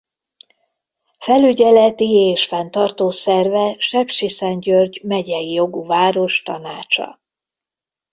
Felügyeleti és fenntartó szerve Sepsiszentgyörgy Megyei Jogú Város Tanácsa.